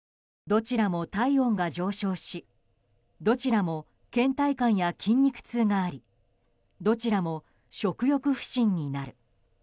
どちらも体温が上昇しどちらも倦怠感や筋肉痛がありどちらも食欲不振になる。